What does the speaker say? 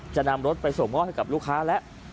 จะนำรถไปส่งมอบให้กับลูกค้าแล้ว